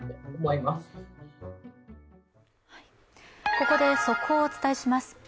ここで速報をお伝えします。